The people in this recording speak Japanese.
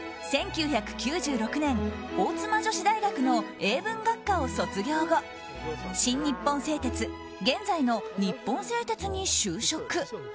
１９９６年大妻女子大学の英文学科を卒業後新日本製鐵現在の日本製鉄に就職。